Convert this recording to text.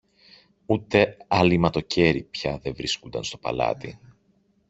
ούτε αλειμματοκέρι πια δε βρίσκουνταν στο παλάτι.